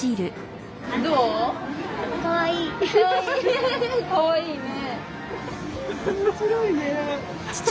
かわいいね。